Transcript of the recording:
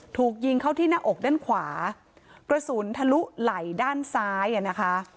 ถูกยิงเข้าที่หน้าอกด้านขวากระสุนทะลุไหล่ด้านซ้ายอ่ะนะคะ